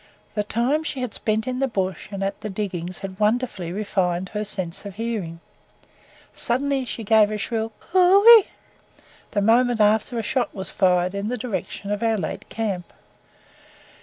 The time she had spent in the bush and at the diggings had wonderfully refined her sense of hearing. Suddenly she gave a shrill "coo ey." The moment after a shot was fired in the direction of our late camp.